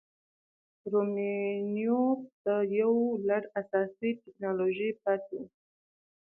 رومیانو ته یو لړ اساسي ټکنالوژۍ پاتې وو.